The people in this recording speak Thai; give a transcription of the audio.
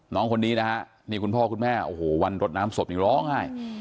น้องคนนี้นะฮะนี่คุณพ่อคุณแม่โอ้โหวันรดน้ำศพนี่ร้องไห้